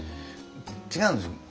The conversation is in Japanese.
違うんですよ。